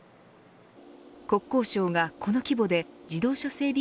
国交省がこの規模で自動車整備